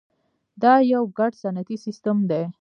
دا یو ګډ صنعتي سیستم دی.